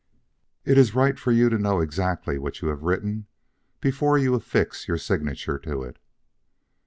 It is right for you to know exactly what you have written before you affix your signature to it."